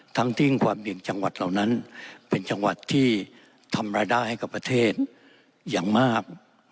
ทั้งที่ความเหลี่ยงจังหวัดเหล่านั้นเป็นจังหวัดที่ทำรายได้ให้กับประเทศอย่างมาก